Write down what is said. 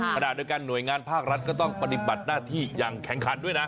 ขณะเดียวกันหน่วยงานภาครัฐก็ต้องปฏิบัติหน้าที่อย่างแข็งขันด้วยนะ